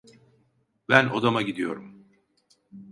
Ben odama gidiyorum.